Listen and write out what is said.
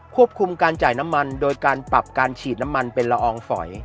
คุมการจ่ายน้ำมันโดยการปรับการฉีดน้ำมันเป็นละอองฝอย